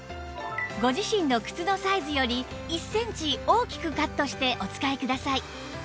ご自身の靴のサイズより１センチ大きくカットしてお使いください